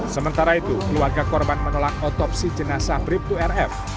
sementara itu keluarga korban menolak otopsi jenazah brib dua rf